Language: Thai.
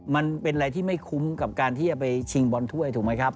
มันเป็นอะไรที่ไม่คุ้มกับการที่จะไปชิงบอลถ้วยถูกไหมครับ